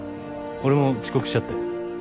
俺も遅刻しちゃって。